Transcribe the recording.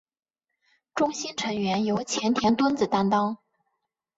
中心成员由前田敦子担当。